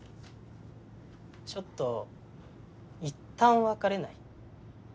ちょっといったん別れない？